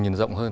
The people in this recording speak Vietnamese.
nhìn rộng hơn